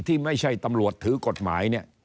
ที่ไม่ใช่ตำรวจถือกฎหมาย